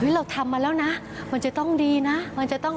เราทำมาแล้วนะมันจะต้องดีนะมันจะต้อง